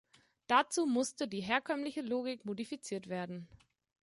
Dazu musste die herkömmliche Logik modifiziert werden.